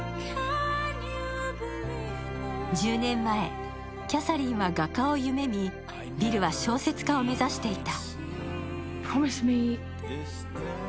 １０年前、キャサリンは画家を夢見、ビルは小説家を目指していた。